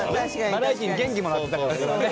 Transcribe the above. バラエティーに元気もらってたから俺はね。